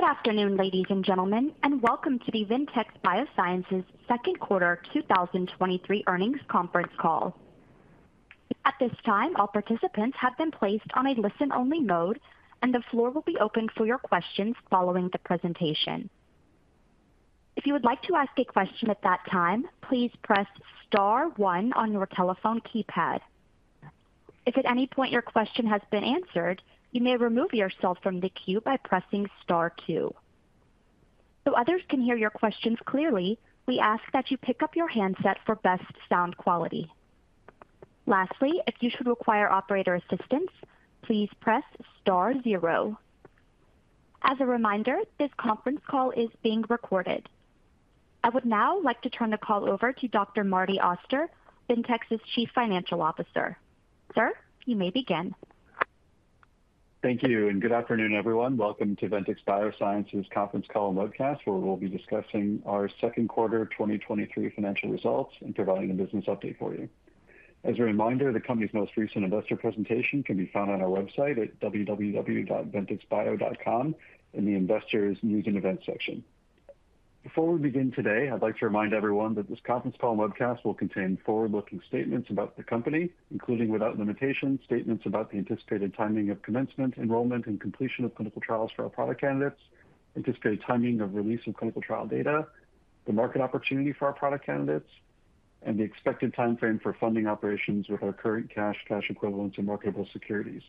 Good afternoon, ladies and gentlemen, welcome to the Ventyx Biosciences Q2 2023 Earnings Conference Call. At this time, all participants have been placed on a listen-only mode, the floor will be open for your questions following the presentation. If you would like to ask a question at that time, please press star one on your telephone keypad. If at any point your question has been answered, you may remove yourself from the queue by pressing star two. Others can hear your questions clearly, we ask that you pick up your handset for best sound quality. Lastly, if you should require operator assistance, please press star zero. As a reminder, this conference call is being recorded. I would now like to turn the call over to Dr. Marty Auster, Ventyx's Chief Financial Officer. Sir, you may begin. Thank you. Good afternoon, everyone. Welcome to Ventyx Biosciences Conference Call and Webcast, where we'll be discussing our Q2 2023 financial results and providing a business update for you. As a reminder, the company's most recent investor presentation can be found on our website at www.ventyxbio.com in the Investors News and Events section. Before we begin today, I'd like to remind everyone that this conference call and webcast will contain forward-looking statements about the company, including without limitation, statements about the anticipated timing of commencement, enrollment, and completion of clinical trials for our product candidates, anticipated timing of release of clinical trial data, the market opportunity for our product candidates, and the expected timeframe for funding operations with our current cash, cash equivalents, and marketable securities.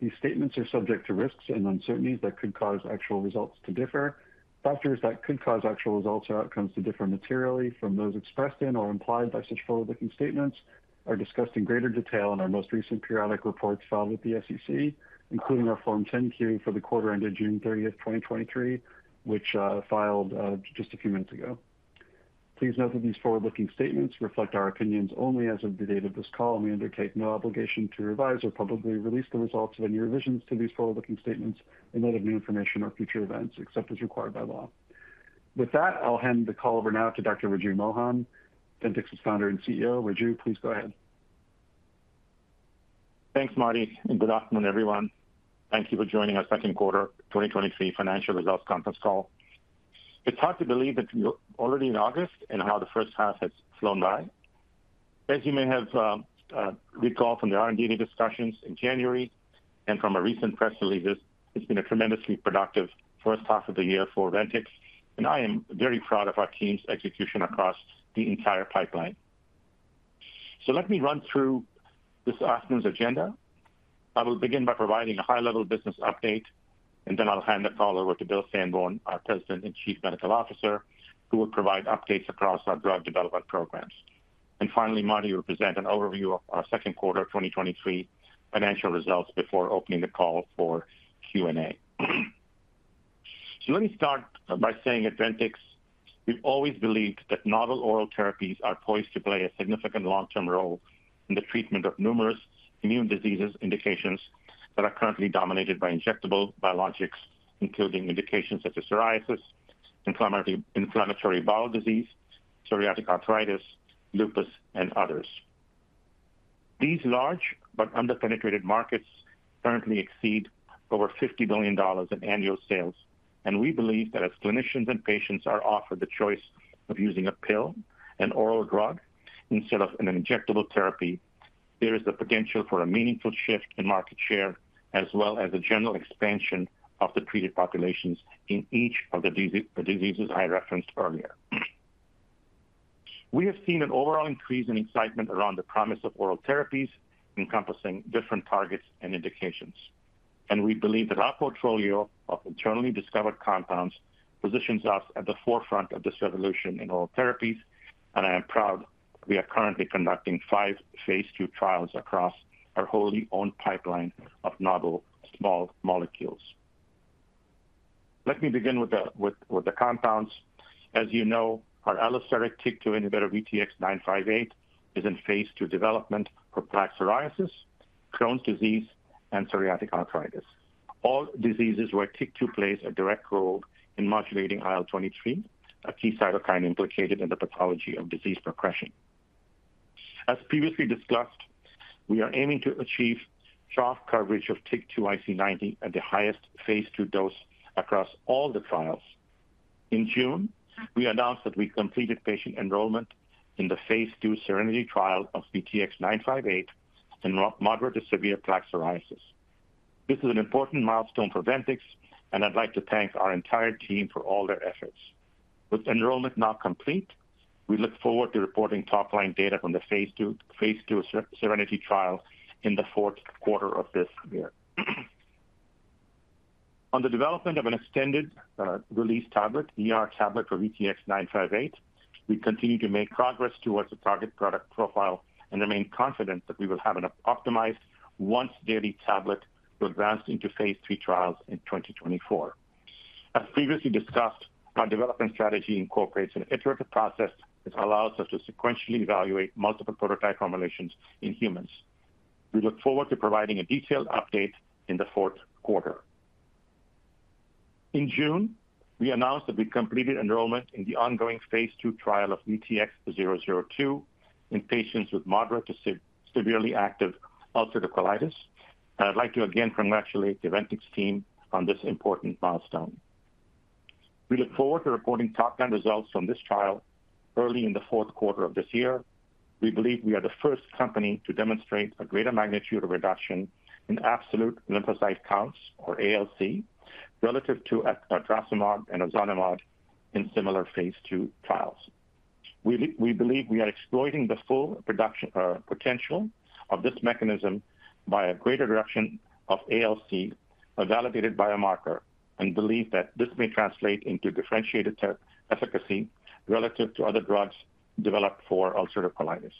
These statements are subject to risks and uncertainties that could cause actual results to differ. Factors that could cause actual results or outcomes to differ materially from those expressed in or implied by such forward-looking statements are discussed in greater detail in our most recent periodic reports filed with the SEC, including our Form 10-Q for the quarter ended June 30, 2023, which filed just a few minutes ago. Please note that these forward-looking statements reflect our opinions only as of the date of this call, and we undertake no obligation to revise or publicly release the results of any revisions to these forward-looking statements in light of new information or future events, except as required by law. With that, I'll hand the call over now to Dr. Raju Mohan, Ventyx's Founder and CEO. Raju, please go ahead. Thanks, Marty. Good afternoon, everyone. Thank you for joining our Q2 2023 financial results conference call. It's hard to believe that we're already in August and how the first half has flown by. As you may have recalled from the R&D discussions in January and from a recent press release, it's been a tremendously productive first half of the year for Ventyx, and I am very proud of our team's execution across the entire pipeline. Let me run through this afternoon's agenda. I will begin by providing a high-level business update, then I'll hand the call over to William Sandborn, our President and Chief Medical Officer, who will provide updates across our drug development programs. Finally, Marty will present an overview of our Q2 2023 financial results before opening the call for Q&A. Let me start by saying at Ventyx, we've always believed that novel oral therapies are poised to play a significant long-term role in the treatment of numerous immune diseases, indications that are currently dominated by injectable biologics, including indications such as psoriasis, inflammatory bowel disease, psoriatic arthritis, lupus, and others. These large but underpenetrated markets currently exceed over $50 billion in annual sales, and we believe that as clinicians and patients are offered the choice of using a pill, an oral drug, instead of an injectable therapy, there is the potential for a meaningful shift in market share, as well as a general expansion of the treated populations in each of the diseases I referenced earlier. We have seen an overall increase in excitement around the promise of oral therapies encompassing different targets and indications. We believe that our portfolio of internally discovered compounds positions us at the forefront of this revolution in oral therapies, and I am proud we are currently conducting five phase II trials across our wholly owned pipeline of novel small molecules. Let me begin with the compounds. As you know, our allosteric TYK2 inhibitor, VTX958, is in phase II development for plaque psoriasis, Crohn's disease, and psoriatic arthritis. All diseases where TYK2 plays a direct role in modulating IL-23, a key cytokine implicated in the pathology of disease progression. As previously discussed, we are aiming to achieve trough coverage of TYK2 IC90 at the highest phase II dose across all the trials. In June, we announced that we completed patient enrollment in the phase II SERENITY trial of VTX958 in moderate to severe plaque psoriasis. This is an important milestone for Ventyx, and I'd like to thank our entire team for all their efforts. With enrollment now complete, we look forward to reporting top-line data from the phase II, phase II SERENITY trial in the Q4 of this year. On the development of an extended release tablet, ER tablet for VTX958, we continue to make progress towards a target product profile and remain confident that we will have an optimized once-daily tablet to advance into phase III trials in 2024. As previously discussed, our development strategy incorporates an iterative process which allows us to sequentially evaluate multiple prototype formulations in humans. We look forward to providing a detailed update in the Q4. In June, we announced that we completed enrollment in the ongoing phase II trial of VTX002 in patients with moderate to severely active ulcerative colitis. I'd like to again congratulate the Ventyx team on this important milestone. We look forward to reporting top-line results from this trial early in the Q4 of this year. We believe we are the first company to demonstrate a greater magnitude of reduction in absolute lymphocyte counts, or ALC, relative to etrasimod and ozanimod in similar phase II trials. We believe we are exploiting the full production potential of this mechanism by a greater reduction of ALC, a validated biomarker, and believe that this may translate into differentiated efficacy relative to other drugs developed for ulcerative colitis.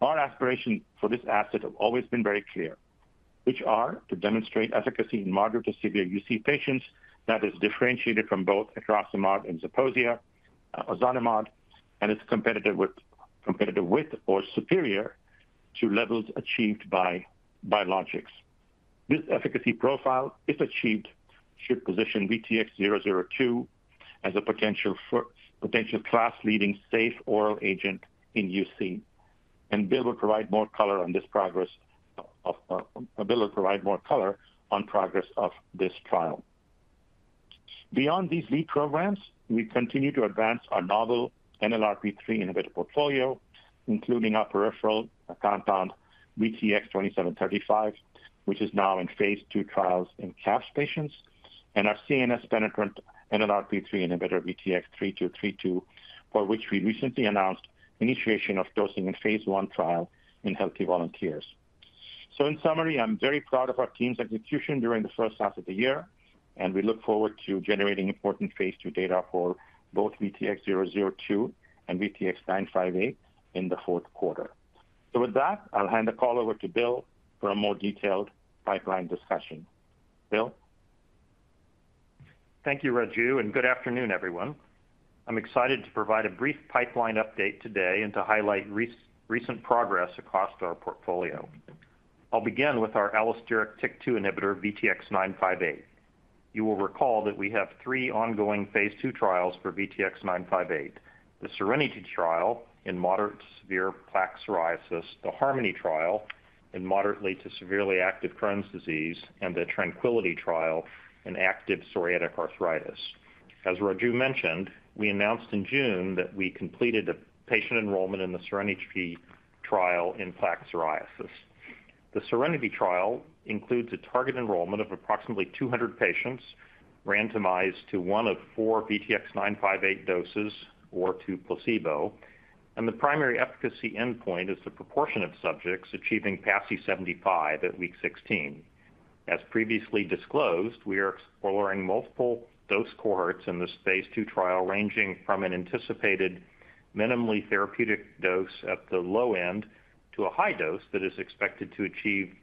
Our aspirations for this asset have always been very clear, which are to demonstrate efficacy in moderate to severe UC patients that is differentiated from both etrasimod and Zeposia, ozanimod, and is competitive with or superior to levels achieved by biologics. This efficacy profile, if achieved, should position VTX-002 as a potential class-leading safe oral agent in UC, and Bill will provide more color on progress of this trial. Beyond these lead programs, we continue to advance our novel NLRP3 inhibitor portfolio, including our peripheral compound, VTX2735, which is now in phase two trials in CAPS patients, and our CNS-penetrant NLRP3 inhibitor, VTX3232, for which we recently announced initiation of dosing in phase one trial in healthy volunteers. In summary, I'm very proud of our team's execution during the first half of the year, and we look forward to generating important phase two data for both VTX-002 and VTX958 in the Q4. With that, I'll hand the call over to Bill for a more detailed pipeline discussion. Bill? Thank you, Raju, good afternoon, everyone. I'm excited to provide a brief pipeline update today and to highlight recent progress across our portfolio. I'll begin with our allosteric TYK2 inhibitor, VTX958. You will recall that we have three ongoing phase II trials for VTX958: the SERENITY trial in moderate to severe plaque psoriasis, the HARMONY trial in moderately to severely active Crohn's disease, and the TRANQUILITY trial in active psoriatic arthritis. As Raju mentioned, we announced in June that we completed the patient enrollment in the SERENITY trial in plaque psoriasis. The SERENITY trial includes a target enrollment of approximately 200 patients randomized to one of four VTX958 doses or to placebo, and the primary efficacy endpoint is the proportion of subjects achieving PASI 75 at week 16. As previously disclosed, we are exploring multiple dose cohorts in this phase II trial, ranging from an anticipated minimally therapeutic dose at the low end to a high dose that is expected to achieve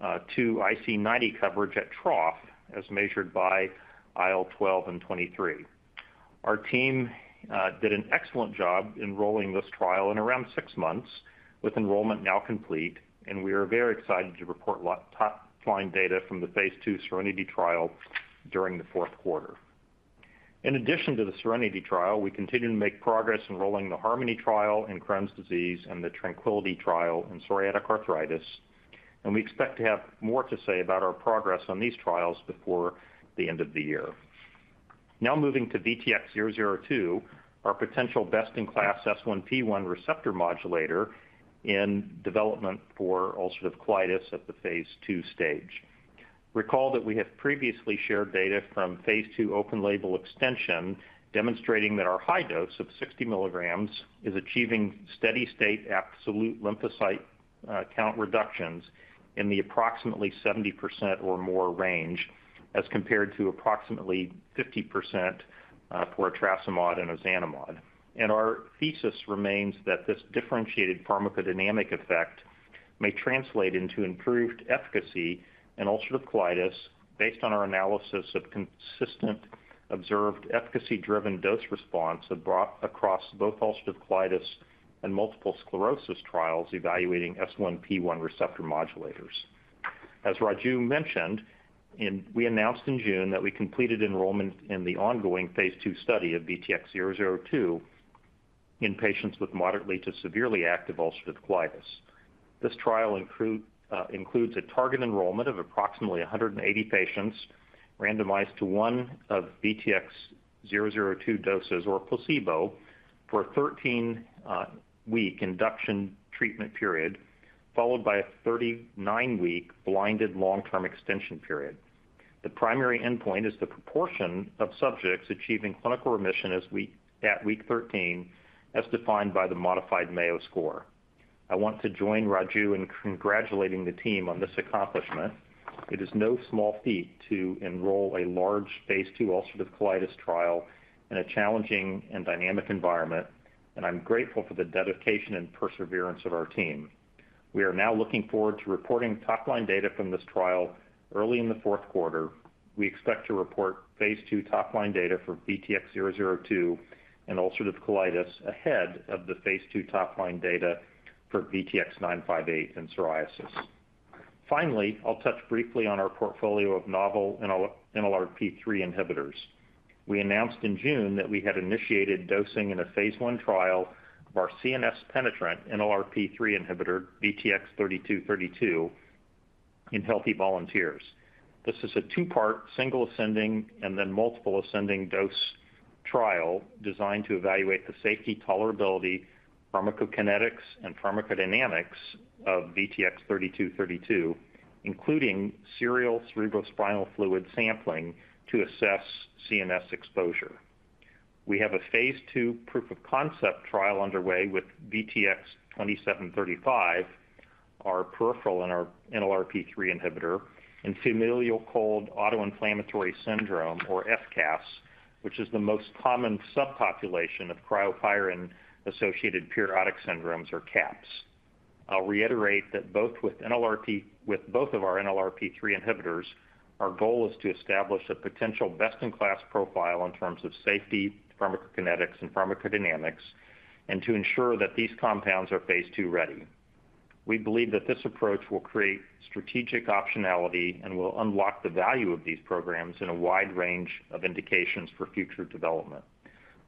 TYK2 IC90 coverage at trough, as measured by IL-12 and IL-23. Our team did an excellent job enrolling this trial in around six months, with enrollment now complete, and we are very excited to report top-line data from the phase II SERENITY trial during the Q4. In addition to the SERENITY trial, we continue to make progress enrolling the HARMONY trial in Crohn's disease and the TRANQUILITY trial in psoriatic arthritis, and we expect to have more to say about our progress on these trials before the end of the year. Now moving to VTX-002, our potential best-in-class S1P1 receptor modulator in development for ulcerative colitis at the phase II stage. Recall that we have previously shared data from phase II open label extension, demonstrating that our high dose of 60 milligrams is achieving steady-state absolute lymphocyte count reductions in the approximately 70% or more range, as compared to approximately 50% for etrasimod and ozanimod. Our thesis remains that this differentiated pharmacodynamic effect may translate into improved efficacy in ulcerative colitis, based on our analysis of consistent observed efficacy-driven dose response across both ulcerative colitis and multiple sclerosis trials evaluating S1P1 receptor modulators. As Raju mentioned, we announced in June that we completed enrollment in the ongoing phase II study of VTX002 in patients with moderately to severely active ulcerative colitis. This trial includes a target enrollment of approximately 180 patients randomized to one of VTX002 doses or a placebo for a 13-week induction treatment period, followed by a 39-week blinded long-term extension period. The primary endpoint is the proportion of subjects achieving clinical remission at week 13, as defined by the modified Mayo Score. I want to join Raju in congratulating the team on this accomplishment. It is no small feat to enroll a large phase II ulcerative colitis trial in a challenging and dynamic environment, and I'm grateful for the dedication and perseverance of our team. We are now looking forward to reporting top-line data from this trial early in the Q4. We expect to report phase II top-line data for VTX002 in ulcerative colitis ahead of the phase II top-line data for VTX958 in psoriasis. Finally, I'll touch briefly on our portfolio of novel NLRP3 inhibitors. We announced in June that we had initiated dosing in a phase I trial of our CNS-penetrant NLRP3 inhibitor, VTX-3232, in healthy volunteers. This is a two-part, single ascending, and then multiple ascending dose trial designed to evaluate the safety, tolerability, pharmacokinetics, and pharmacodynamics of VTX-3232, including serial cerebrospinal fluid sampling to assess CNS exposure. We have a phase II proof of concept trial underway with VTX-2735, our peripheral NLRP3 inhibitor, in familial cold autoinflammatory syndrome, or FCAS, which is the most common subpopulation of cryopyrin-associated periodic syndromes, or CAPS. I'll reiterate that both with NLRP, with both of our NLRP3 inhibitors, our goal is to establish a potential best-in-class profile in terms of safety, pharmacokinetics, and pharmacodynamics, and to ensure that these compounds are phase II ready. We believe that this approach will create strategic optionality and will unlock the value of these programs in a wide range of indications for future development.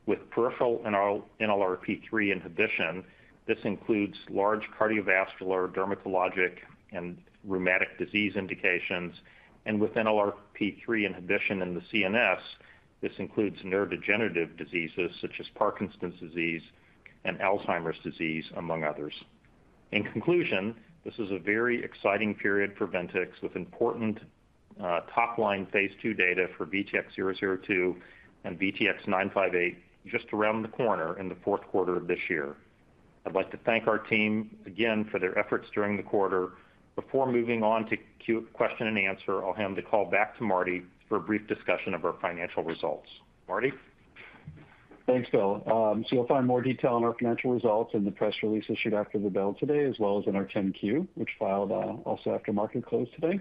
With peripheral NLRP3 inhibition, this includes large cardiovascular, dermatologic, and rheumatic disease indications, and with NLRP3 inhibition in the CNS, this includes neurodegenerative diseases such as Parkinson's disease and Alzheimer's disease, among others. In conclusion, this is a very exciting period for Ventyx, with important top-line phase II data for VTX002 and VTX958 just around the corner in the Q4 of this year. I'd like to thank our team again for their efforts during the quarter. Before moving on to question and answer, I'll hand the call back to Marty for a brief discussion of our financial results. Marty? Thanks, Bill. You'll find more detail on our financial results in the press release issued after the bell today, as well as in our 10-Q, which filed, also after market close today.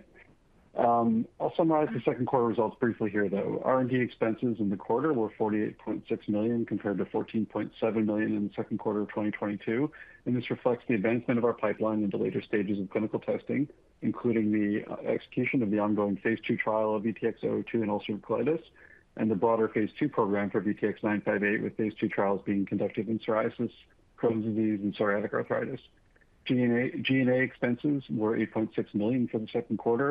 I'll summarize the Q2 results briefly here, though. R&D expenses in the quarter were $48.6 million, compared to $14.7 million in the Q2 of 2022, and this reflects the advancement of our pipeline into later stages of clinical testing, including the execution of the ongoing phase II trial of VTX002 in ulcerative colitis, and the broader phase II program for VTX958, with phase II trials being conducted in psoriasis, Crohn's disease, and psoriatic arthritis. G&A, G&A expenses were $8.6 million for the Q2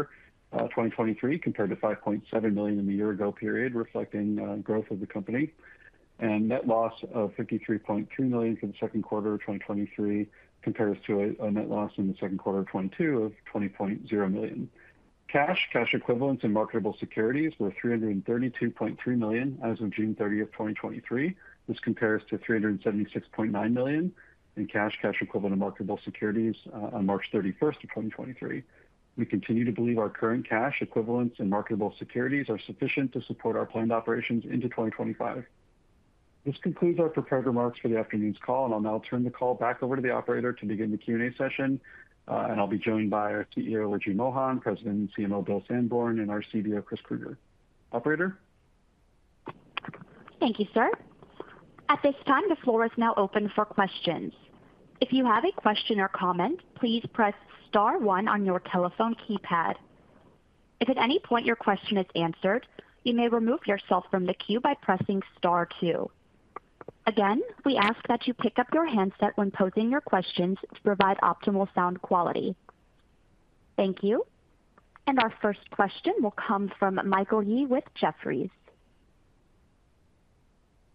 2023, compared to $5.7 million in the year-ago period, reflecting growth of the company. Net loss of $53.2 million for the Q2 of 2023 compares to a net loss in the Q2 of 2022 of $20.0 million. Cash, cash equivalents and marketable securities were $332.3 million as of June 30, 2023. This compares to $376.9 million in cash, cash equivalent of marketable securities, on March 31, 2023. We continue to believe our current cash equivalents and marketable securities are sufficient to support our planned operations into 2025.This concludes our prepared remarks for the afternoon's call. I'll now turn the call back over to the operator to begin the Q&A session. I'll be joined by our CEO, Raju Mohan, President and CMO, William Sandborn, and our CBO, Chris Krueger. Operator? Thank you, sir. At this time, the floor is now open for questions. If you have a question or comment, please press star one on your telephone keypad. If at any point your question is answered, you may remove yourself from the queue by pressing star two. Again, we ask that you pick up your handset when posing your questions to provide optimal sound quality. Thank you. Our first question will come from Michael Yee with Jefferies.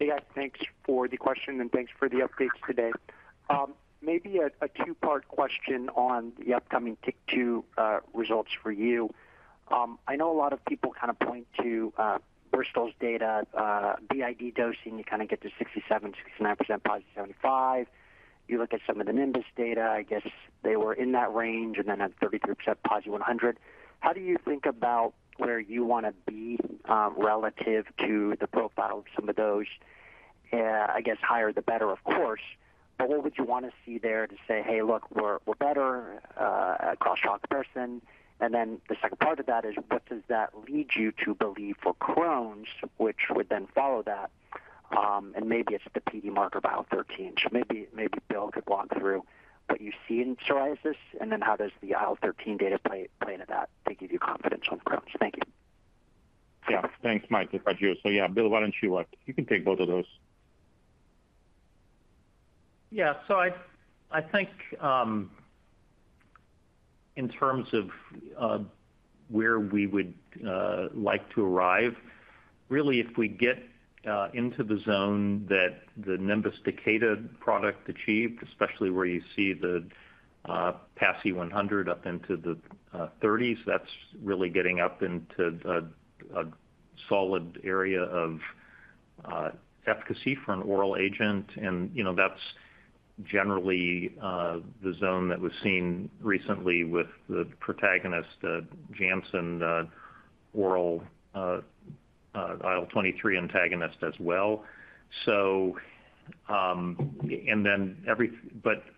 Hey, guys, thanks for the question and thanks for the updates today. Maybe a two-part question on the upcoming TYK2 results for you. I know a lot of people kind of point to Bristol's data, BID dosing, you kind of get to 67%-69% positive 75. You look at some of the Nimbus data, I guess they were in that range, and then at 33% positive 100. How do you think about where you want to be relative to the profile of some of those? I guess higher the better, of course, but what would you want to see there to say, "Hey, look, we're, we're better [across shock person]." The second part of that is, what does that lead you to believe for Crohn's, which would then follow that? Maybe it's the PD marker, IL-13. maybe, maybe Bill could walk through what you see in psoriasis, then how does the IL-13 data play, play into that to give you confidence on Crohn's? Thank you. Yeah. Thanks, Mike. If I do. Yeah, Bill, why don't you walk-. You can take both of those. Yeah. I, I think, in terms of where we would like to arrive, really, if we get into the zone that the Nimbus Takeda product achieved, especially where you see the PASI 100 up into the 30s, that's really getting up into a solid area of efficacy for an oral agent. You know, that's generally the zone that was seen recently with the Protagonist, the Janssen, the oral IL-23 antagonist as well.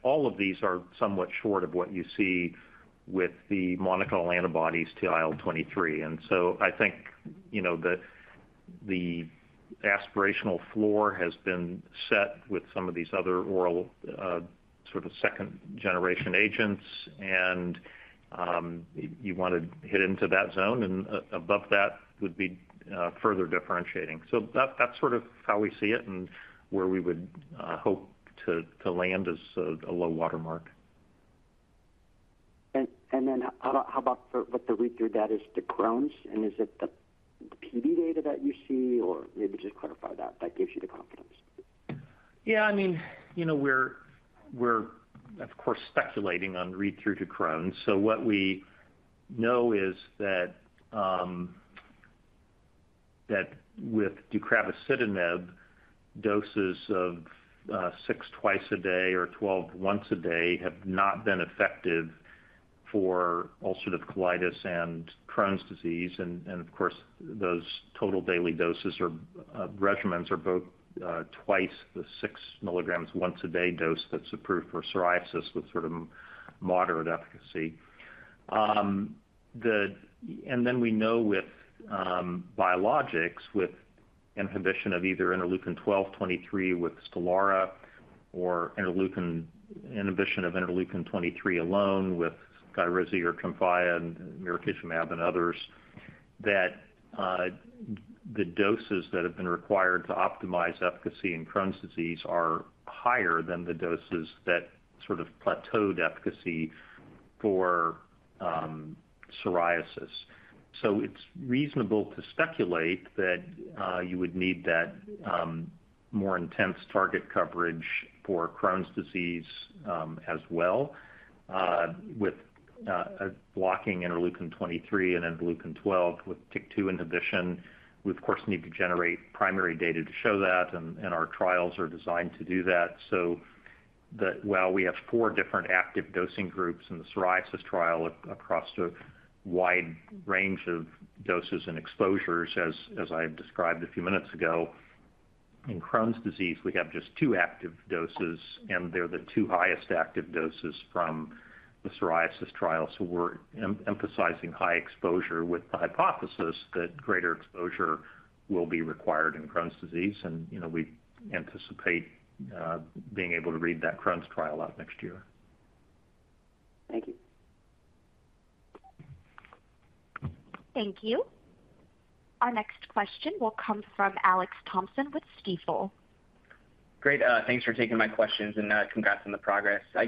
All of these are somewhat short of what you see with the monoclonal antibodies to IL-23. I think, you know, the aspirational floor has been set with some of these other oral, sort of second-generation agents, and you want to hit into that zone, and above that would be further differentiating. That's sort of how we see it and where we would hope to, to land as a, a low watermark. How about, how about for what the read-through data is to Crohn's? Is it the PD data that you see, or maybe just clarify that, that gives you the confidence? Yeah, I mean, you know, of course, speculating on read through to Crohn's. What we know is that with deucravacitinib, doses of six twice a day or 12 once a day have not been effective for ulcerative colitis and Crohn's disease. Those total daily doses or regimens are both twice the six milligrams once a day dose that's approved for psoriasis with sort of moderate efficacy. Then we know with biologics, with inhibition of either interleukin-12, 23 with Stelara or inhibition of interleukin-23 alone with Skyrizi or Cimzia and mirikizumab and others, that the doses that have been required to optimize efficacy in Crohn's disease are higher than the doses that sort of plateaued efficacy for psoriasis. It's reasonable to speculate that you would need that more intense target coverage for Crohn's disease as well, with blocking interleukin-23 and interleukin-12. With TYK2 inhibition, we, of course, need to generate primary data to show that, and our trials are designed to do that. While we have four different active dosing groups in the psoriasis trial across a wide range of doses and exposures, as I described a few minutes ago, in Crohn's disease, we have just two active doses, and they're the two highest active doses from the psoriasis trial. We're emphasizing high exposure with the hypothesis that greater exposure will be required in Crohn's disease, and, you know, we anticipate being able to read that Crohn's trial out next year. Thank you. Thank you. Our next question will come from Alex Thompson with Stifel. Great, thanks for taking my questions and congrats on the progress. I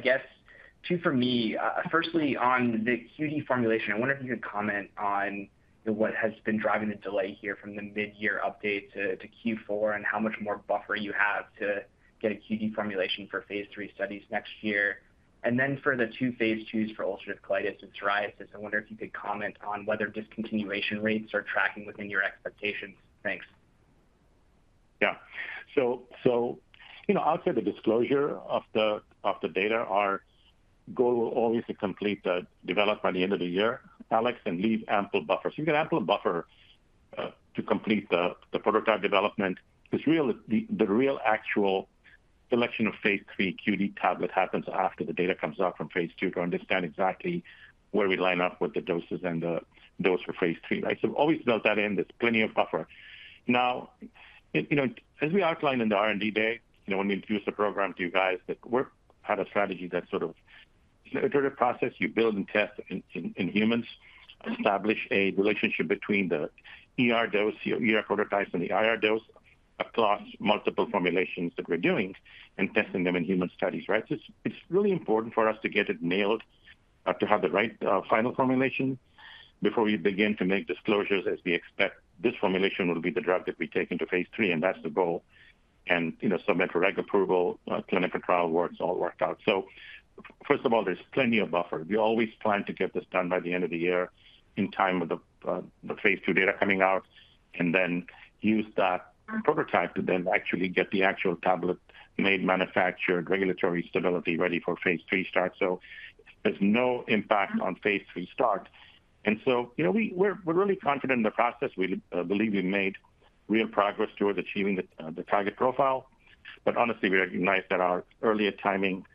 guess two for me. Firstly, on the QD formulation, I wonder if you could comment on what has been driving the delay here from the mid-year update to, to Q4 and how much more buffer you have to get a QD formulation for phase III studies next year. Then for the two phase IIs for ulcerative colitis and psoriasis, I wonder if you could comment on whether discontinuation rates are tracking within your expectations. Thanks. Yeah. You know, outside the disclosure of the, of the data, our goal always to complete the development by the end of the year, Alex, and leave ample buffer. You get ample buffer to complete the, the prototype development. Because real, the, the real actual selection of phase III QD tablet happens after the data comes out from phase II to understand exactly where we line up with the doses and the dose for phase III, right? Always build that in. There's plenty of buffer. You know, as we outlined in the R&D day, you know, when we introduced the program to you guys, that we're had a strategy that sort of iterative process you build and test in, in, in humans, establish a relationship between the ER dose, ER prototypes, and the IR dose across multiple formulations that we're doing and testing them in human studies, right? It's, it's really important for us to get it nailed, to have the right, final formulation before we begin to make disclosures, as we expect this formulation will be the drug that we take into phase III, and that's the goal. You know, submit for reg approval, clinical trial works all worked out. First of all, there's plenty of buffer. We always plan to get this done by the end of the year in time with the phase II data coming out, and then use that prototype to then actually get the actual tablet made, manufactured, regulatory stability, ready for phase III start. There's no impact on phase III start. You know, we're really confident in the process. We believe we made real progress towards achieving the target profile. Honestly, we recognize that our earlier timing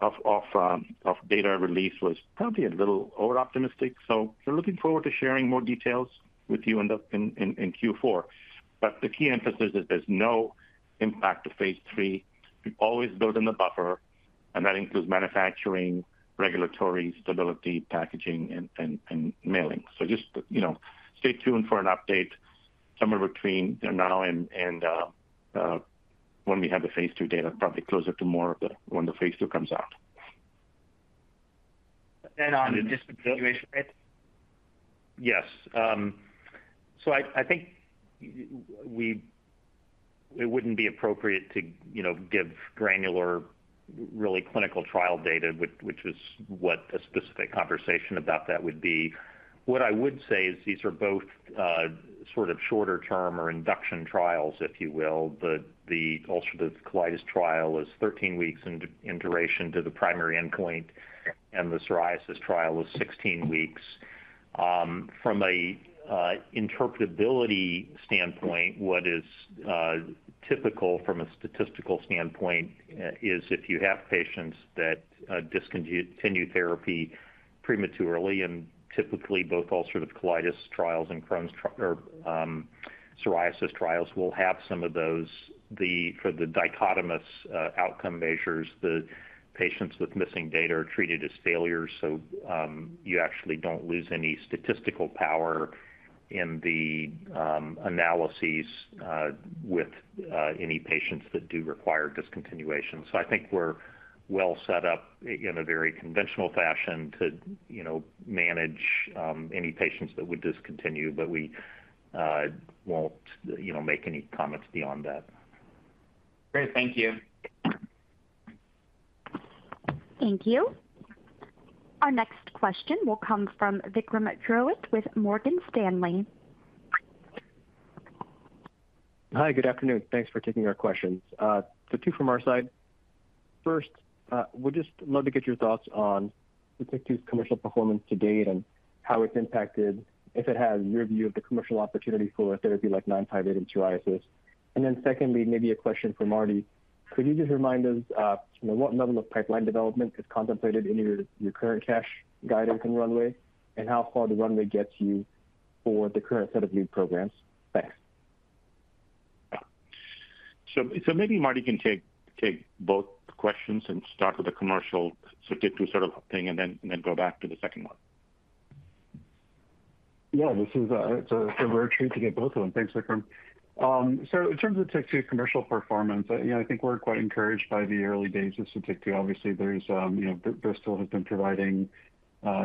of data release was probably a little overoptimistic. We're looking forward to sharing more details with you in Q4. The key emphasis is there's no impact to phase III. We always build in the buffer, and that includes manufacturing, regulatory, stability, packaging, and mailing. Just, you know, stay tuned for an update somewhere between now and, and, when we have the phase II data, probably closer to more of the, when the phase II comes out. On the discontinuation rate? Yes. I, I think we-it wouldn't be appropriate to, you know, give granular, really clinical trial data, which, which is what a specific conversation about that would be. What I would say is these are both, sort of shorter term or induction trials, if you will. The, the ulcerative colitis trial is 13 weeks in, in duration to the primary endpoint, and the psoriasis trial is 16 weeks. From a, interpretability standpoint, what is, typical from a statistical standpoint, is if you have patients that, discontinue therapy prematurely, and typically both ulcerative colitis trials and Crohn's or, psoriasis trials will have some of those. The, for the dichotomous outcome measures, the patients with missing data are treated as failures. You actually don't lose any statistical power in the analyses with any patients that do require discontinuation. I think we're well set up in a very conventional fashion to, you know, manage any patients that would discontinue. We won't, you know, make any comments beyond that. Great. Thank you. Thank you. Our next question will come from Vikram Purohit with Morgan Stanley. Hi, good afternoon. Thanks for taking our questions. Two from our side. First, would just love to get your thoughts on Sotyktu's commercial performance to date and how it's impacted, if it has, your view of the commercial opportunity for a therapy like 958 in psoriasis. Secondly, maybe a question for Marty. Could you just remind us, you know, what level of pipeline development is contemplated in your, your current cash guidance and runway, and how far the runway gets you for the current set of new programs? Thanks. Maybe Marty can take both questions and start with the commercial, Sotyktu sort of thing, and then go back to the second one. Yeah, this is, it's a, a rare treat to get both of them. Thanks, Vikram. In terms of Sotyktu commercial performance, you know, I think we're quite encouraged by the early days of Sotyktu. Obviously, there's, you know, Bristol has been providing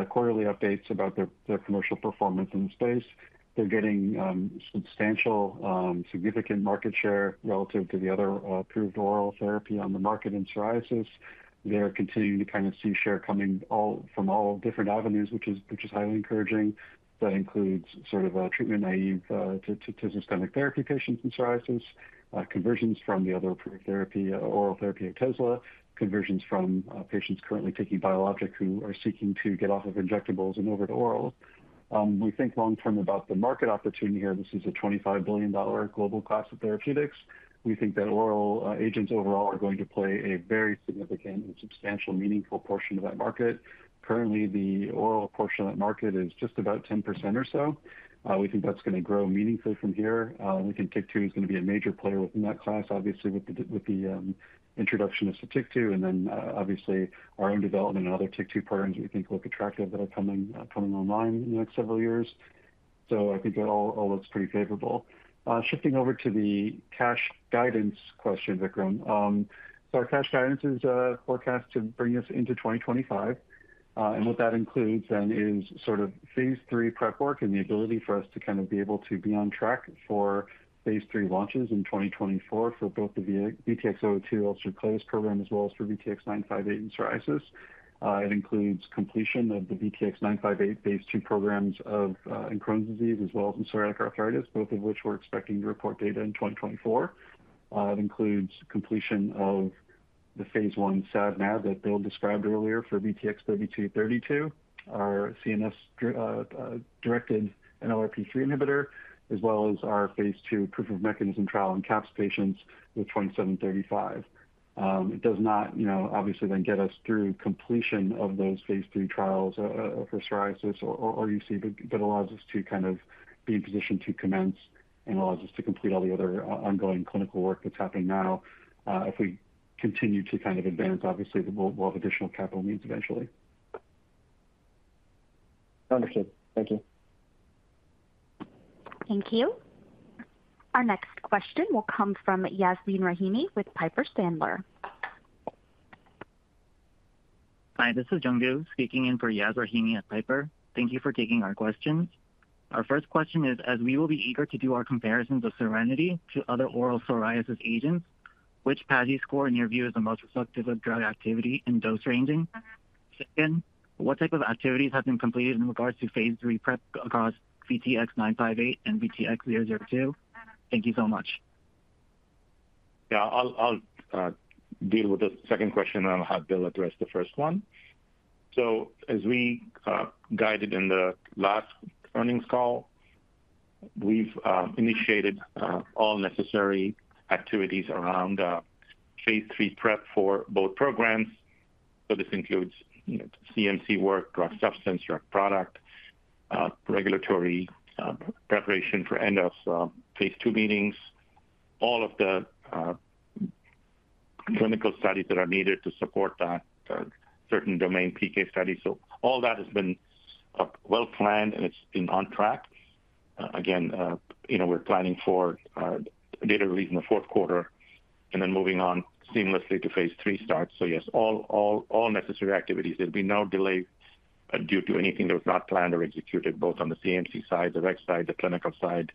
quarterly updates about their, their commercial performance in the space. They're getting substantial, significant market share relative to the other approved oral therapy on the market in psoriasis. They're continuing to kind of see share coming all, from all different avenues, which is, which is highly encouraging. That includes sort of, treatment naive, to systemic therapy patients in psoriasis, conversions from the other approved therapy, oral therapy, Otezla, conversions from patients currently taking biologic who are seeking to get off of injectables and over to oral. We think long term about the market opportunity here, this is a $25 billion global class of therapeutics. We think that oral agents overall are going to play a very significant and substantial, meaningful portion of that market. Currently, the oral portion of that market is just about 10% or so. We think that's going to grow meaningfully from here. We think TYK2 is going to be a major player within that class, obviously, with the, with the introduction of Sotyktu, and then obviously, our own development and other TYK2 partners we think look attractive that are coming online in the next several years. I think it all, all looks pretty favorable. Shifting over to the cash guidance question, Vikram. Our cash guidance is forecast to bring us into 2025. What that includes then is sort of phase III prep work and the ability for us to kind of be able to be on track for phase III launches in 2024 for both the VTX002 ulcerative colitis program, as well as for VTX958 in psoriasis. It includes completion of the VTX958 phase II programs in Crohn's disease, as well as in psoriatic arthritis, both of which we're expecting to report data in 2024. It includes completion of the phase I SAD/MAD that Bill described earlier for VTX3232, our CNS directed NLRP3 inhibitor, as well as our phase II proof of mechanism trial in CAPS patients with 2735. It does not, you know, obviously then get us through completion of those phase III trials for psoriasis or UC, but allows us to kind of be in position to commence and allows us to complete all the other ongoing clinical work that's happening now. If we continue to kind of advance, obviously, we'll, we'll have additional capital needs eventually. Understood. Thank you. Thank you. Our next question will come from Yasmeen Rahimi with Piper Sandler. Hi, this is Jungyoon Ku speaking in for Yas Rahimi at Piper. Thank you for taking our questions. Our first question is, as we will be eager to do our comparisons of SERENITY to other oral psoriasis agents, which PASI score, in your view, is the most reflective of drug activity in dose ranging? Second, what type of activities have been completed in regards to phase III prep across VTX958 and VTX002? Thank you so much. Yeah, I'll, I'll deal with the second question, and I'll have Bill address the first one. As we guided in the last earnings call, we've initiated all necessary activities around phase III prep for both programs. This includes, you know, CMC work, drug substance, drug product, regulatory preparation for end of phase II meetings, all of the clinical studies that are needed to support that, certain domain PK studies. All that has been well-planned, and it's been on track. Again, you know, we're planning for data read in the Q4 and then moving on seamlessly to phase III start. Yes, all, all, all necessary activities. There'll be no delay, due to anything that was not planned or executed, both on the CMC side, the reg side, the clinical side,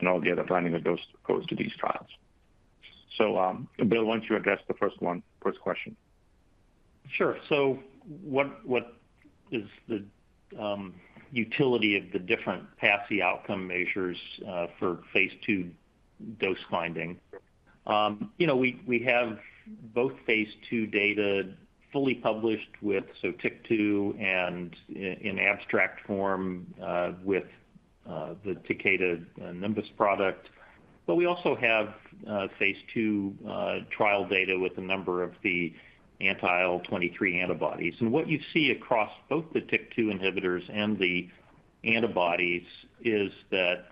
and all the other planning that goes, goes to these trials. Bill, why don't you address the first one, first question? Sure. What is the utility of the different PASI outcome measures for phase II dose finding? You know, we have both phase II data fully published with Sotyktu and in abstract form with the Takeda Nimbus product. We also have phase II trial data with a number of the anti-IL-23 antibodies. What you see across both the TYK2 inhibitors and the antibodies is that,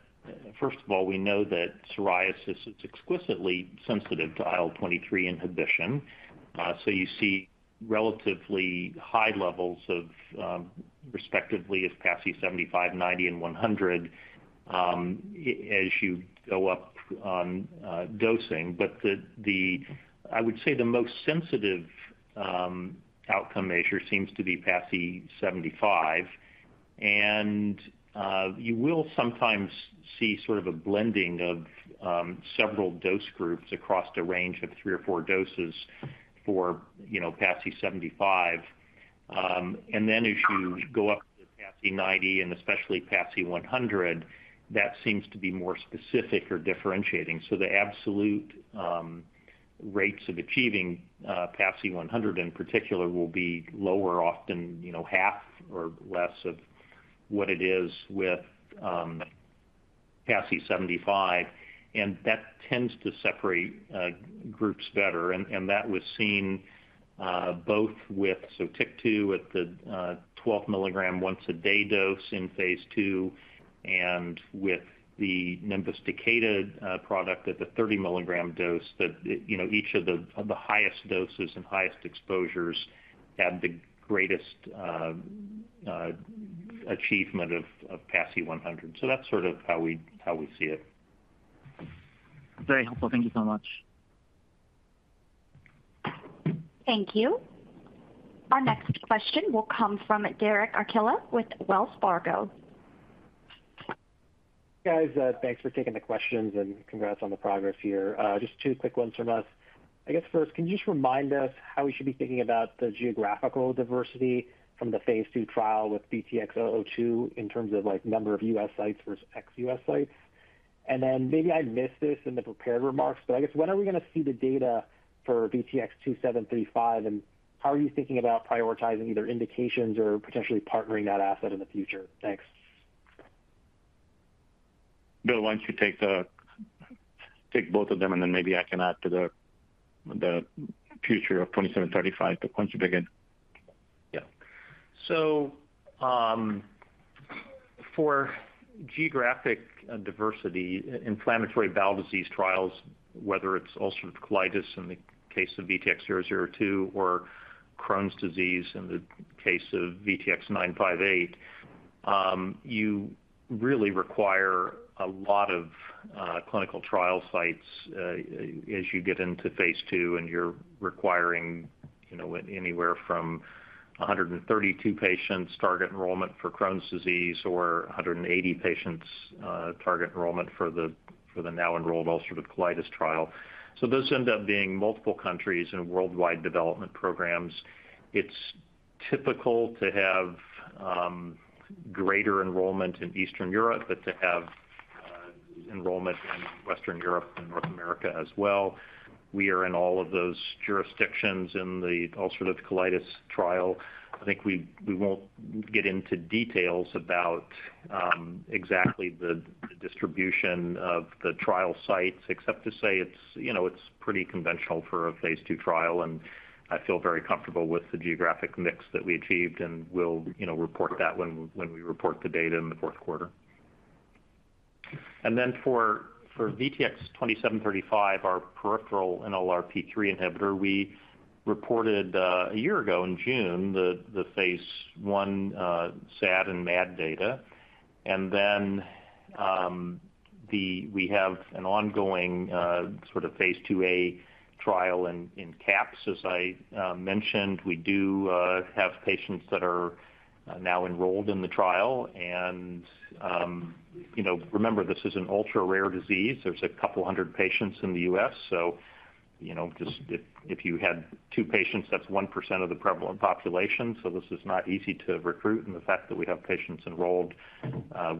first of all, we know that psoriasis is explicitly sensitive to IL-23 inhibition. So you see relatively high levels of, respectively, of PASI 75, 90, and 100 as you go up on dosing. The, the, I would say the most sensitive outcome measure seems to be PASI 75, and you will sometimes see sort of a blending of several dose groups across the range of three or four doses for, you know, PASI 75. Then as you go up to PASI 90 and especially PASI 100, that seems to be more specific or differentiating. The absolute rates of achieving PASI 100 in particular, will be lower, often, you know, half or less of what it is with PASI 75, and that tends to separate groups better. That was seen both with TYK2, with the 12 milligram once a day dose in phase II, and with the Nimbus Takeda product at the 30 milligram dose, that, you know, each of the highest doses and highest exposures had the greatest achievement of PASI 100. That's sort of how we, how we see it. Very helpful. Thank you so much. Thank you. Our next question will come from Derek Archila with Wells Fargo. Guys, thanks for taking the questions, and congrats on the progress here. Just two quick ones from us. I guess first, can you just remind us how we should be thinking about the geographical diversity from the phase II trial with VTX002, in terms of, like, number of U.S. sites versus ex-U.S. sites? Then maybe I missed this in the prepared remarks, but I guess when are we going to see the data for VTX2735, and how are you thinking about prioritizing either indications or potentially partnering that asset in the future? Thanks. Bill, why don't you take both of them, and then maybe I can add to the future of 2735. Why don't you begin? Yeah. For geographic diversity, inflammatory bowel disease trials, whether it's ulcerative colitis in the case of VTX002, or Crohn's disease in the case of VTX958, you really require a lot of clinical trial sites, as you get into phase II, and you're requiring, you know, anywhere from 132 patients target enrollment for Crohn's disease or 180 patients target enrollment for the, for the now enrolled ulcerative colitis trial. Those end up being multiple countries in worldwide development programs. It's typical to have greater enrollment in Eastern Europe, to have enrollment in Western Europe and North America as well. We are in all of those jurisdictions in the ulcerative colitis trial. I think we, we won't get into details about, exactly the, the distribution of the trial sites, except to say it's, you know, it's pretty conventional for a phase II trial, and I feel very comfortable with the geographic mix that we achieved, and we'll, you know, report that when, when we report the data in the Q4. For, for VTX2735, our peripheral NLRP3 inhibitor, we reported, 1 year ago in June, the, the phase I, SAD and MAD data. We have an ongoing, sort phase II-a trial in, in CAPS. As I mentioned, we do have patients that are now enrolled in the trial. You know, remember, this is an ultra-rare disease. There's a couple hundred patients in the U.S., so you know, just if, if you had two patients, that's 1% of the prevalent population. This is not easy to recruit, and the fact that we have patients enrolled,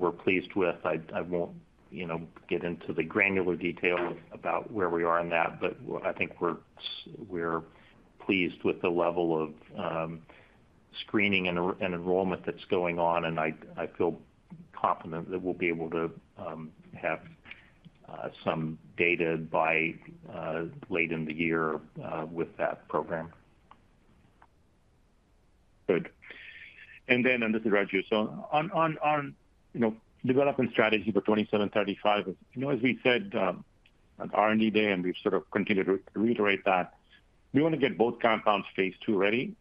we're pleased with. I, I won't, you know, get into the granular detail about where we are on that, but I think we're pleased with the level of screening and enrollment that's going on, and I feel confident that we'll be able to have some data by late in the year with that program. Good. Then, this is Raju. On, on, on, you know, development strategy for VTX2735, you know, as we said at R&D Day, and we've sort of continued to reiterate that, we want to get both compounds phase II ready.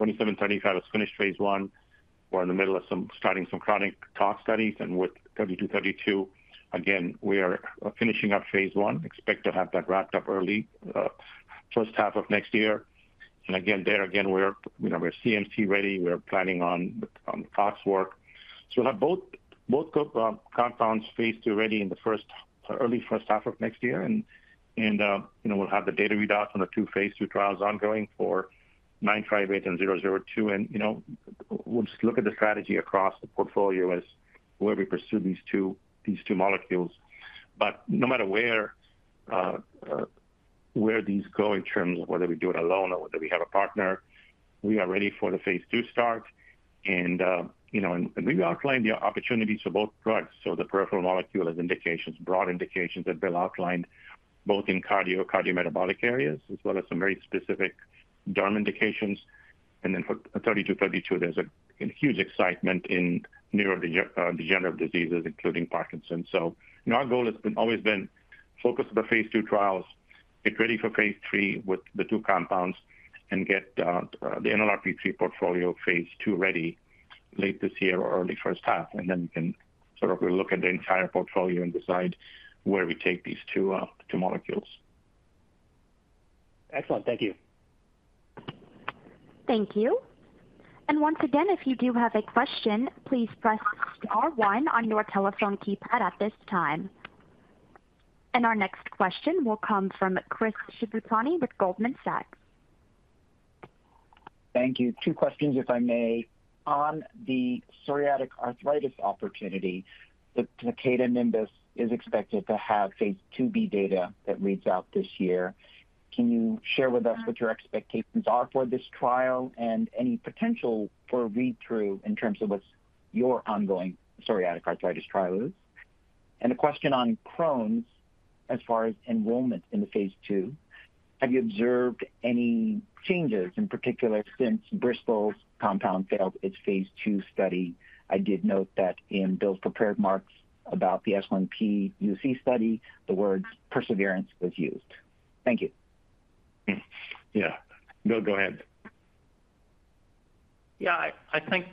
VTX2735 has finished phase I. We're in the middle of starting some chronic tox studies, and with VTX3232, again, we are finishing up phase I. Expect to have that wrapped up early, first half of next year. Again, there again, we're, you know, we're CMC ready. We're planning on, on the tox work. We'll have both, both compounds phase II ready in the first, early first half of next year. You know, we'll have the data readouts on the 2 phase II trials ongoing for VTX958 and VTX002, and, you know, we'll just look at the strategy across the portfolio as where we pursue these two, these two molecules. No matter where these go in terms of whether we do it alone or whether we have a partner. We are ready for the phase II start. You know, we've outlined the opportunities for both products. The peripheral molecule has indications, broad indications that Bill outlined, both in cardio, cardiometabolic areas, as well as some very specific derm indications. Then for VTX3232, there's a, a huge excitement in neurodegenerative diseases, including Parkinson's. Our goal has been, always been focused on the phase II trials, get ready for phase III with the two compounds and get the NLRP3 portfolio phase II ready late this year or early first half, and then we can sort of look at the entire portfolio and decide where we take these two molecules. Excellent. Thank you. Thank you. Once again, if you do have a question, please press star one on your telephone keypad at this time. Our next question will come from Chris Shibutani with Goldman Sachs. Thank you. Two questions, if I may. On the psoriatic arthritis opportunity, the Takeda Nimbus is expected to have phase IIb data that reads out this year. Can you share with us what your expectations are for this trial and any potential for a read-through in terms of what your ongoing psoriatic arthritis trial is? A question on Crohn's, as far as enrollment in the phase II, have you observed any changes, in particular since Bristol's compound failed its phase II study? I did note that in Bill's prepared marks about the S1P UC study, the word perseverance was used. Thank you. Yeah. Bill Sanborn, go ahead. Yeah, I, I think,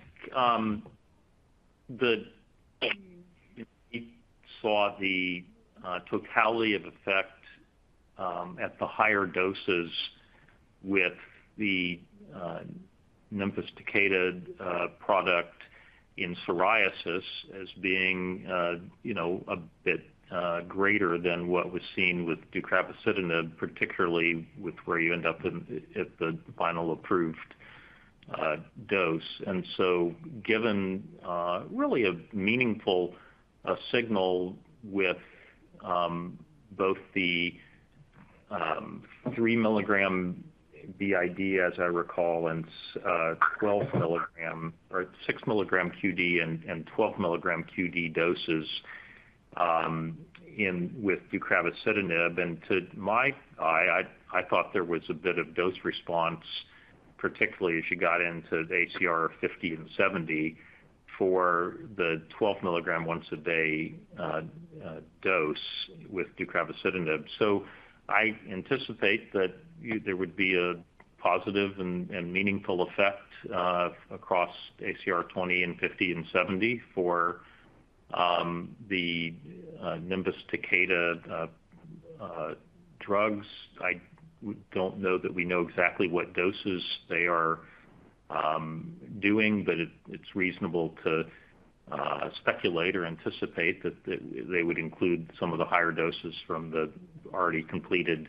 we saw the totality of effect at the higher doses with the Nimbus Takeda product in psoriasis as being, you know, a bit greater than what was seen with deucravacitinib, particularly with where you end up in, at the final approved dose. So given really a meaningful signal with both the three milligram BID, as I recall, and 12 milligram or six milligram QD and 12 milligram QD doses in with deucravacitinib. To my eye, I, I thought there was a bit of dose response, particularly as you got into ACR50 and ACR70 for the 12 milligram once a day dose with deucravacitinib. I anticipate that there would be a positive and, and meaningful effect across ACR20 and ACR50 and ACR70 for the Nimbus Takeda drugs. I don't know that we know exactly what doses they are doing, but it's reasonable to speculate or anticipate that they would include some of the higher doses from the already completed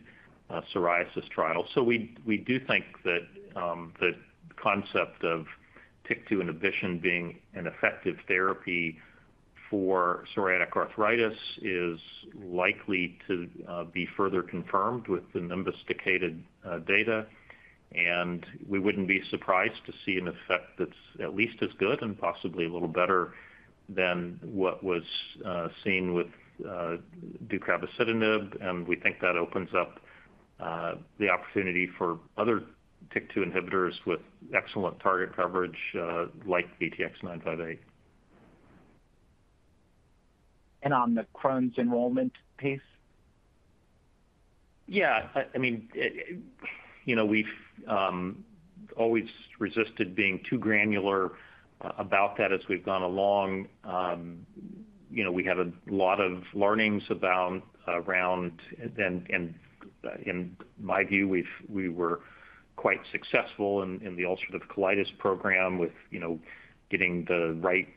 psoriasis trial. We do think that the concept of TYK2 inhibition being an effective therapy for psoriatic arthritis is likely to be further confirmed with the Nimbus Takeda data. We wouldn't be surprised to see an effect that's at least as good and possibly a little better than what was seen with deucravacitinib. We think that opens up the opportunity for other TYK2 inhibitors with excellent target coverage, like VTX958. On the Crohn's enrollment pace? Yeah, I, I mean, you know, we've always resisted being too granular about that as we've gone along. You know, we had a lot of learnings around, around then, and in my view, we were quite successful in, in the ulcerative colitis program with, you know, getting the right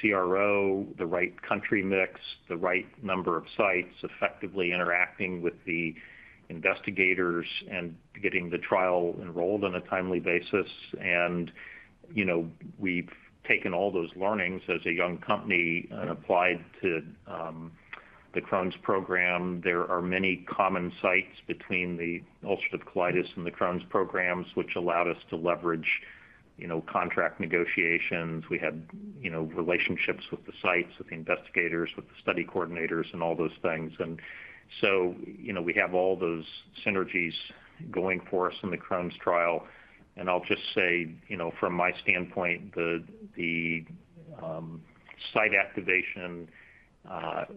CRO, the right country mix, the right number of sites, effectively interacting with the investigators and getting the trial enrolled on a timely basis. You know, we've taken all those learnings as a young company and applied to the Crohn's program. There are many common sites between the ulcerative colitis and the Crohn's programs, which allowed us to leverage, you know, contract negotiations. We had, you know, relationships with the sites, with the investigators, with the study coordinators and all those things. You know, we have all those synergies going for us in the Crohn's trial. I'll just say, you know, from my standpoint, the, the site activation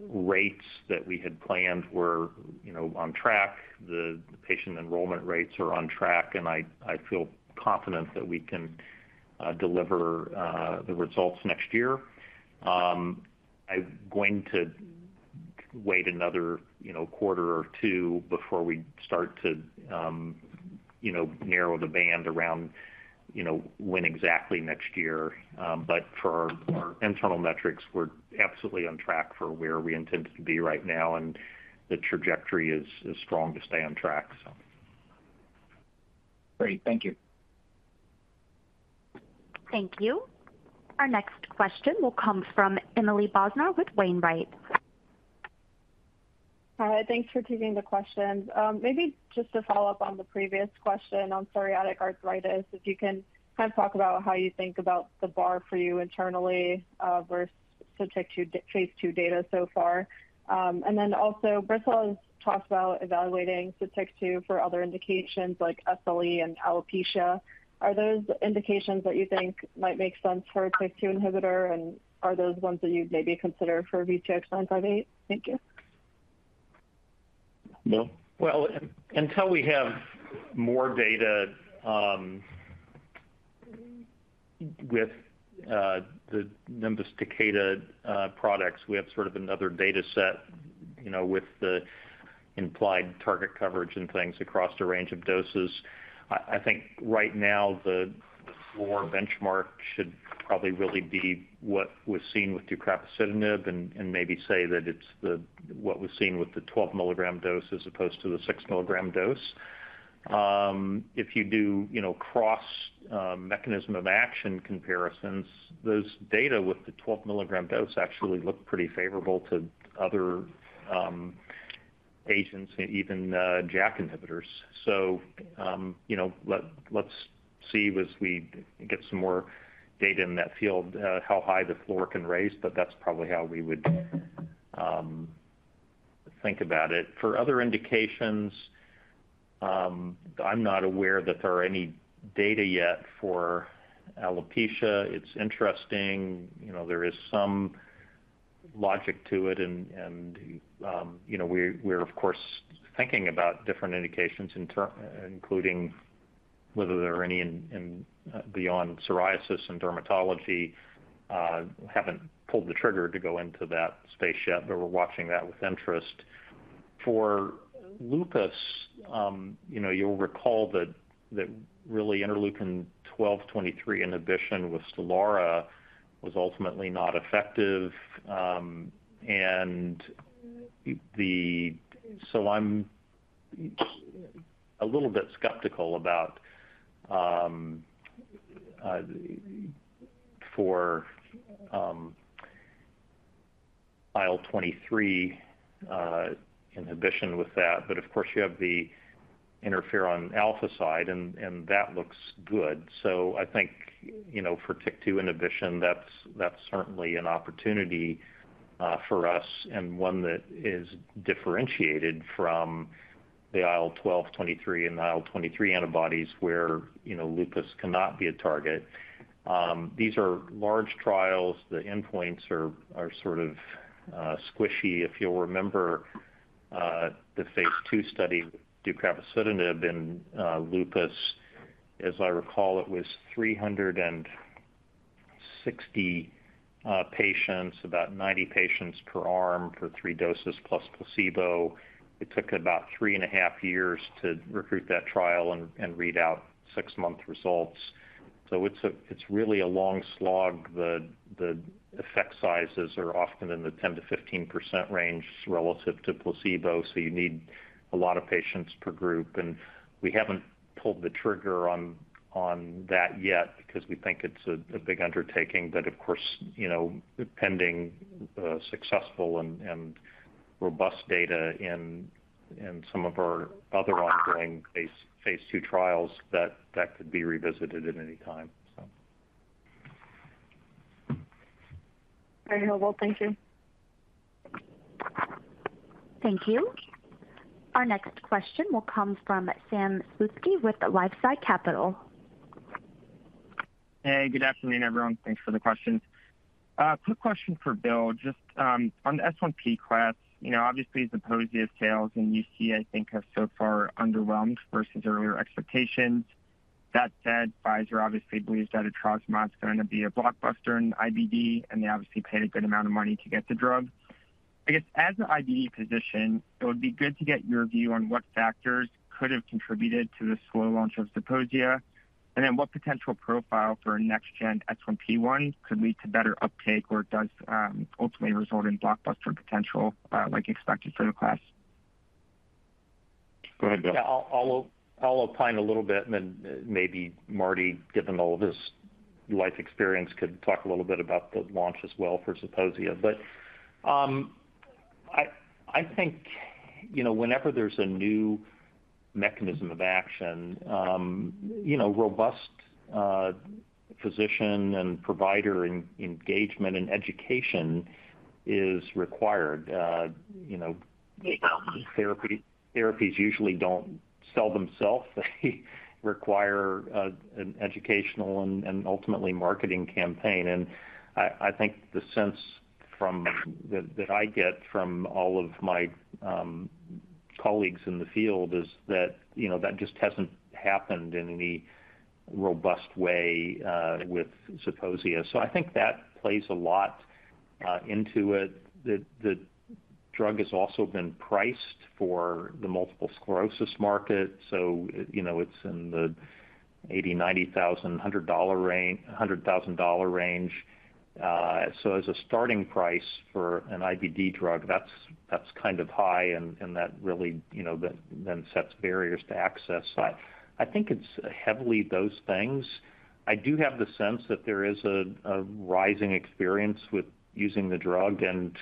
rates that we had planned were, you know, on track. The patient enrollment rates are on track, and I, I feel confident that we can deliver the results next year. I'm going to wait another, you know, quarter or two before we start to, you know, narrow the band around, you know, when exactly next year. For our internal metrics, we're absolutely on track for where we intend to be right now, and the trajectory is, is strong to stay on track. Great. Thank you. Thank you. Our next question will come from Emily Bodnar with Wainwright. Hi, thanks for taking the questions. Maybe just to follow up on the previous question on psoriatic arthritis, if you can kind of talk about how you think about the bar for you internally, versus phase II phase II data so far. Also, Bristol has talked about evaluating phase II for other indications like SLE and alopecia. Are those indications that you think might make sense for a TYK2 inhibitor, and are those ones that you'd maybe consider for VTX938? Thank you. Bill? Well, until we have more data, with the Nimbus Takeda products, we have sort of another data set, you know, with the implied target coverage and things across the range of doses. I, I think right now, the floor benchmark should probably really be what was seen with deucravacitinib, and maybe say that it's what was seen with the 12 milligram dose as opposed to the six milligram dose. If you do, you know, cross mechanism of action comparisons, those data with the 12 milligram dose actually look pretty favorable to other agents and even JAK inhibitors. You know, let's see as we get some more data in that field, how high the floor can raise, but that's probably how we would think about it. For other indications, I'm not aware that there are any data yet for alopecia. It's interesting, you know, there is some logic to it, and, and, you know, we're, we're of course, thinking about different indications in term, including whether there are any in, in beyond psoriasis and dermatology. Haven't pulled the trigger to go into that spaceship, we're watching that with interest. For lupus, you know, you'll recall that, that really interleukin-12 and interleukin-23 inhibition with Stelara was ultimately not effective, I'm a little bit skeptical about, for, IL-23 inhibition with that. Of course you have the interferon-alpha side, and, and that looks good. I think, you know, for TYK2 inhibition, that's, that's certainly an opportunity for us, and one that is differentiated from the IL-12/23 and the IL-23 antibodies where, you know, lupus cannot be a target. These are large trials. The endpoints are, are sort of squishy. If you'll remember, the phase II study, deucravacitinib in lupus, as I recall, it was 360 patients, about 90 patients per arm for 3 doses plus placebo. It took about 3.5 years to recruit that trial and, and read out six-month results. It's really a long slog. The, the effect sizes are often in the 10%-15% range relative to placebo, so you need a lot of patients per group. We haven't pulled the trigger on that yet because we think it's a big undertaking. Of course, you know, pending successful and robust data in some of our other ongoing phase two trials, that could be revisited at any time. Very helpful. Thank you. Thank you. Our next question will come from Sam Slutsky with LifeSci Capital. Hey, good afternoon, everyone. Thanks for the questions. Quick question for Bill. Just on the S1P class, you know, obviously the Zeposia sales in UC, I think, have so far underwhelmed versus earlier expectations. That said, Pfizer obviously believes that Etrasimod is going to be a blockbuster in IBD. They obviously paid a good amount of money to get the drug. I guess, as an IBD physician, it would be good to get your view on what factors could have contributed to the slow launch of Zeposia, and then what potential profile for a next-gen S1P1 could lead to better uptake, or does ultimately result in blockbuster potential, like expected for the class? Go ahead, Bill. Yeah, I'll, I'll, I'll opine a little bit, and then maybe Marty, given all of his life experience, could talk a little bit about the launch as well for Zeposia. I, I think, you know, whenever there's a new mechanism of action, you know, robust physician and provider en-engagement and education is required. You know, therapies, therapies usually don't sell themselves. They require an educational and, and ultimately marketing campaign. I, I think the sense from- that, that I get from all of my colleagues in the field is that, you know, that just hasn't happened in any robust way with Zeposia. I think that plays a lot into it. The, the drug has also been priced for the multiple sclerosis market. You know, it's in the $80,000, $90,000, $100 range- $100,000 range. As a starting price for an IBD drug, that's, that's kind of high, and that really, you know, that then sets barriers to access. I think it's heavily those things. I do have the sense that there is a rising experience with using the drug, and,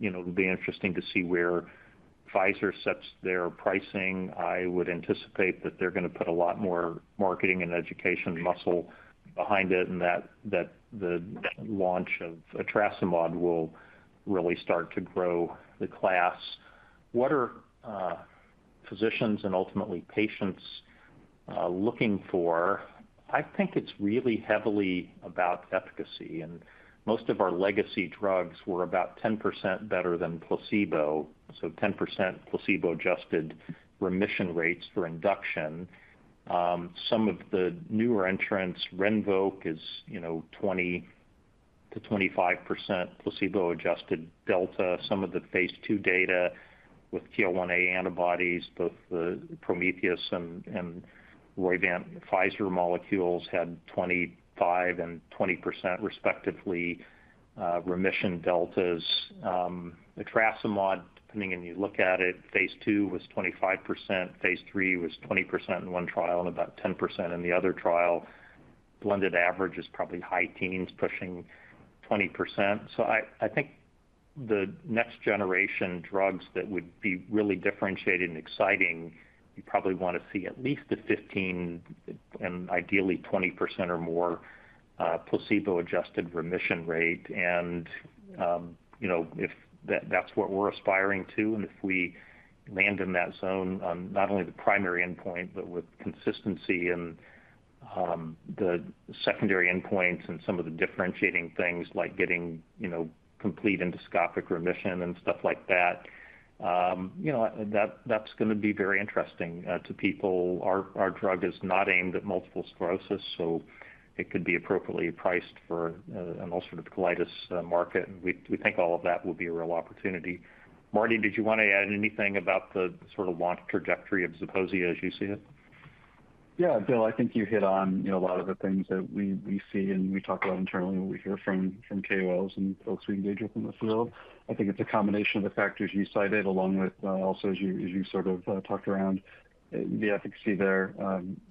you know, it'll be interesting to see where Pfizer sets their pricing. I would anticipate that they're gonna put a lot more marketing and education muscle behind it, and that the launch of etrasimod will really start to grow the class. What are physicians and ultimately patients looking for? I think it's really heavily about efficacy. Most of our legacy drugs were about 10% better than placebo, so 10% placebo-adjusted remission rates for induction. Some of the newer entrants, Rinvoq, is, you know, 20%-25% placebo-adjusted delta. Some of the phase II data with TL1A antibodies, both the Prometheus and Roivant Pfizer molecules, had 25 and 20%, respectively, remission deltas. etrasimod, depending on you look at it, phase II was 25%, phase III was 20% in one trial and about 10% in the other trial. Blended average is probably high teens, pushing 20%. I think the next generation drugs that would be really differentiated and exciting, you probably wanna see at least a 15 and ideally 20% or more, placebo-adjusted remission rate. You know, if that- that's what we're aspiring to, and if we land in that zone on not only the primary endpoint, but with consistency in the secondary endpoints and some of the differentiating things, like getting, you know, complete endoscopic remission and stuff like that, you know, that, that's gonna be very interesting to people. Our, our drug is not aimed at multiple sclerosis, so it could be appropriately priced for an ulcerative colitis market. We, we think all of that will be a real opportunity. Marty, did you want to add anything about the sort of launch trajectory of Zeposia as you see it? Yeah, Bill, I think you hit on, you know, a lot of the things that we, we see and we talk about internally, and we hear from, from KOLs and folks we engage with in the field. I think it's a combination of the factors you cited, along with, also, as you, as you sort of, talked around the efficacy there.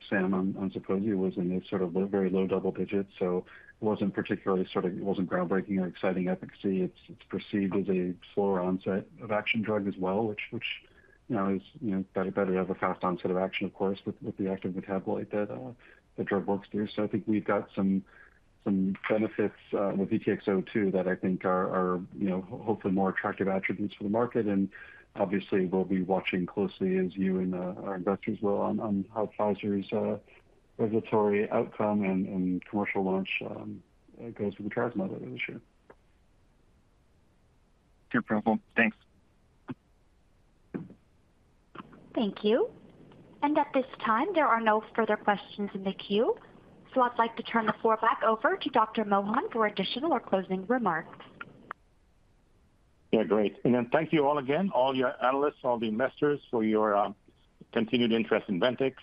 Sam, on, on Zeposia was in the sort of low, very low double digits, so it wasn't particularly sort of, it wasn't groundbreaking or exciting efficacy. It's, it's perceived as a slower onset-of-action drug as well, which, which, you know, is, you know, better, better have a fast onset of action, of course, with, with the active metabolite that, the drug works through. I think we've got some, some benefits with VTX002 that I think are, are, you know, hopefully more attractive attributes for the market. Obviously, we'll be watching closely, as you and our investors will, on, on how Pfizer's regulatory outcome and commercial launch goes with the later this year. Fair point. Thanks. Thank you. At this time, there are no further questions in the queue. I'd like to turn the floor back over to Raju Mohan for additional or closing remarks. Yeah, great. Thank you all again, all your analysts, all the investors, for your continued interest in Ventyx.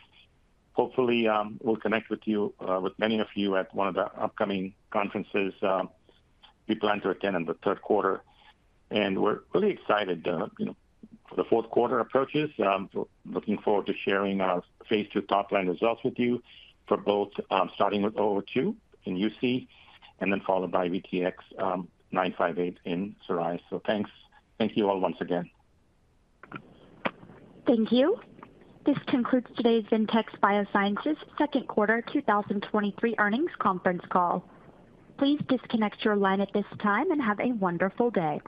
Hopefully, we'll connect with you, with many of you at one of the upcoming conferences, we plan to attend in the 3rd quarter. We're really excited, you know, for the 4th quarter approaches. Looking forward to sharing our phase II top line results with you for both, starting with VTX002 in UC and then followed by VTX958 in psoriasis. Thanks. Thank you all once again. Thank you. This concludes today's Ventyx Biosciences Q2 2023 earnings conference call. Please disconnect your line at this time and have a wonderful day.